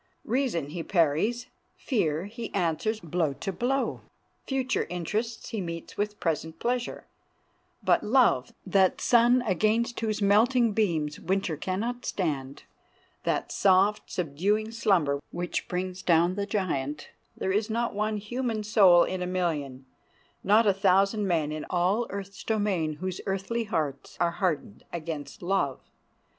Reason he parries; fear he answers blow to blow; future interests he meets with present pleasure; but love, that sun against whose melting beams Winter can not stand, that soft, subduing slumber which brings down the giant, there is not one human soul in a million, not a thousand men in all earth's domain whose earthly hearts are hardened against love.